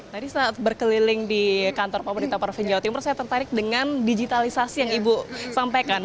tadi saat berkeliling di kantor pemerintah provinsi jawa timur saya tertarik dengan digitalisasi yang ibu sampaikan